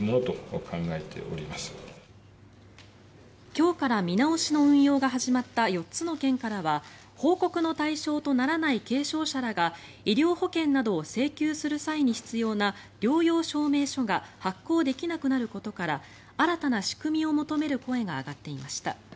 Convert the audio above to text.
今日から見直しの運用が始まった４つの県からは報告の対象とならない軽症者らが医療保険などを請求する際に必要な療養証明書が発行できなくなることから新たな仕組みを求める声が上がっていました。